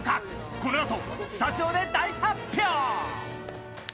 このあとスタジオで大発表！